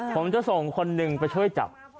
ผมจะส่งคนหนึ่งไปช่วยจับ